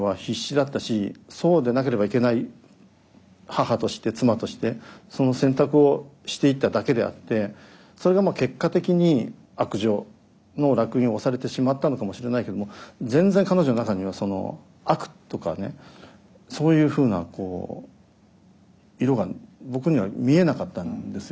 母として妻としてその選択をしていっただけであってそれが結果的に悪女の烙印を押されてしまったのかもしれないけども全然彼女の中にはその悪とかねそういうふうな色が僕には見えなかったんですよね。